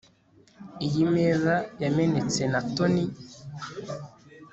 Iyi meza yamenetse na Tony